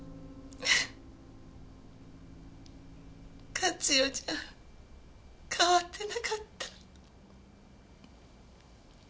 勝代ちゃん変わってなかった。